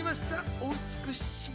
お美しい。